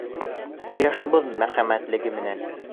— Ҡояшыбыҙ мәрхәмәтлелеге менән!